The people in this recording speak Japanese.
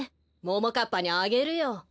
ももかっぱにあげるよ。